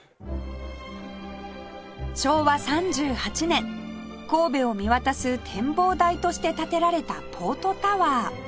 昭和３８年神戸を見渡す展望台として建てられたポートタワー